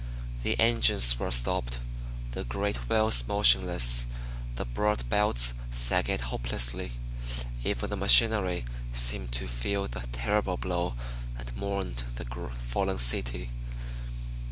The engines were stopped; the great wheels motionless; the broad belts sagged hopelessly. Even the machinery seemed to feel the terrible blow and mourned the fallen city.